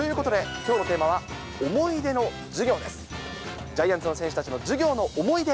きょうのテーマ、思い出の授業です。